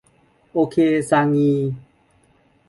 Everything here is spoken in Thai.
โอเค ชางงี !